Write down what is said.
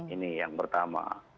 ini yang pertama